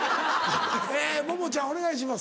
えモモちゃんお願いします。